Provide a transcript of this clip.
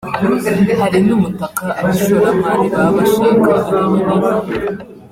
Hari n’ubutaka abashoramari baba bashaka ari bunini